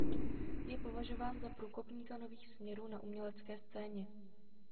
Je považován za průkopníka nových směrů na umělecké scéně.